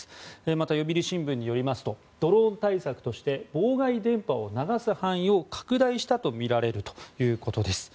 また、読売新聞によりますとドローン対策として妨害電波を流す範囲を拡大したとみられるということです。